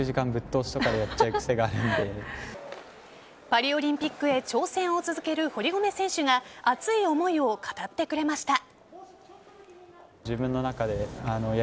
パリオリンピックへ挑戦を続ける堀米選手が熱い思いを語ってくれました。